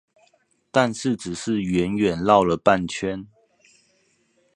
但是只是遠遠繞了半圈